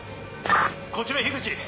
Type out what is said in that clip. こちら口。